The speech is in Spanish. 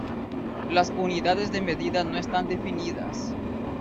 Las unidades de medida no están definidas.